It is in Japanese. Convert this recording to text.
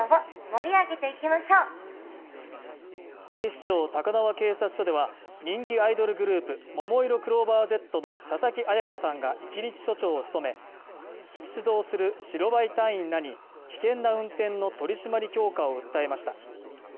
警視庁高輪警察署では人気アイドルグループももいろクローバーＺの佐々木彩夏さんが１日署長を務め出動する白バイ隊員らに危険な運転の取り締まり強化を訴えました